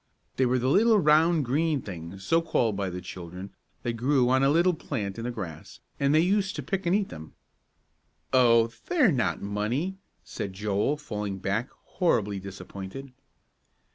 They were the little, round, green things, so called by the children, that grew on a little plant in the grass, and they used to pick and eat them. "Oh, they're not money," said Joel, falling back, horribly disappointed.